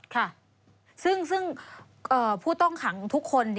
ค่ะซึ่งผู้ต้องขังทุกคน